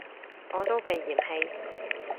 我都被嫌棄